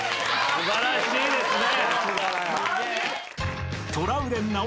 素晴らしいですね。